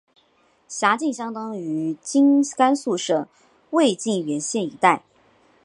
辖境相当今甘肃省渭源县一带。